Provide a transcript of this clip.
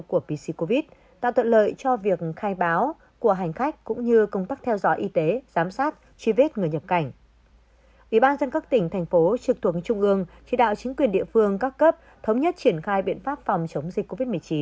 các tỉnh thành phố trực thuộc trung ương chỉ đạo chính quyền địa phương các cấp thống nhất triển khai biện pháp phòng chống dịch covid một mươi chín